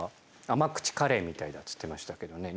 甘口カレーみたいだって言ってましたけどね